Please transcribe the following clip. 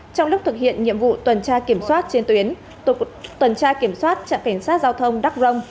trong lúc thực hiện nhiệm vụ tuần tra kiểm soát trên tuyến tổ tuần tra kiểm soát trạm cảnh sát giao thông đắc rông